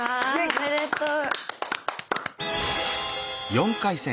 おめでとう！